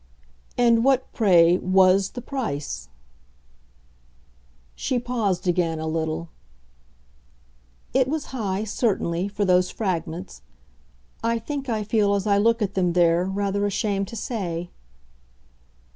"And what, pray, WAS the price?" She paused again a little. "It was high, certainly for those fragments. I think I feel, as I look at them there, rather ashamed to say."